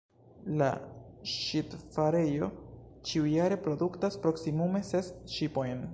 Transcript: La ŝipfarejo ĉiujare produktas proksimume ses ŝipojn.